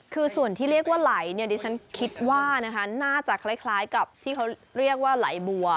คือส่วนที่เรียกว่าไหลเนี่ยดิฉันคิดว่านะคะน่าจะคล้ายกับที่เขาเรียกว่าไหลบัว